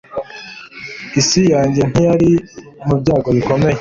isi yanjye ntiyari mu byago bikomeye